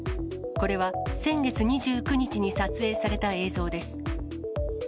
これは先月２９日に撮影された映像です。